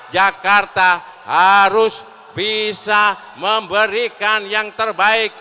jakarta harus bisa memberikan yang terbaik